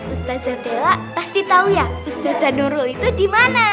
ustazah bella pasti tau ya ustazah nurul itu dimana